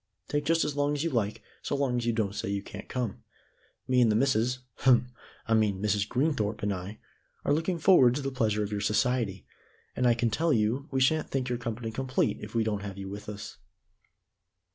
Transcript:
"Take just as long as you like so long as you don't say you can't come. Me and the missus hem! I mean Mrs. Greenthorpe and I are looking forward to the pleasure of your society, and I can tell you we sha'n't think our company complete if we don't have you with us."